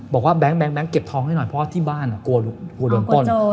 แบงค์เก็บทองให้หน่อยเพราะว่าที่บ้านกลัวโดนป้น